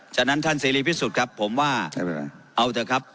ฉะนั้นท่านเสรีพิสุทธิ์ครับผมว่าเอาเถอะครับ